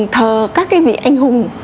thờ các cái vị anh hùng